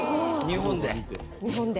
日本で？